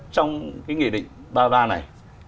trong cái nghị định ba mươi ba này